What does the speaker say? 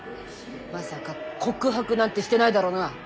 まさか告白なんてしてないだろうな！